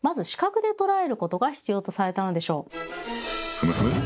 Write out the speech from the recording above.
ふむふむ。